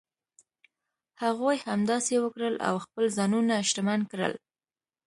هغوی همداسې وکړل او خپل ځانونه شتمن کړل.